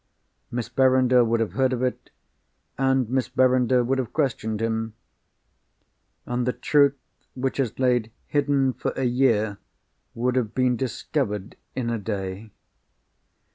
Miss Verinder would have heard of it, and Miss Verinder would have questioned him—and the truth which has laid hidden for a year would have been discovered in a day."